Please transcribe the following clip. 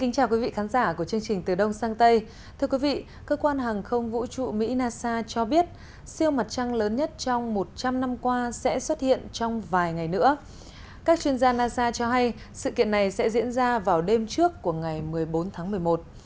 các bạn hãy đăng ký kênh để ủng hộ kênh của chúng mình nhé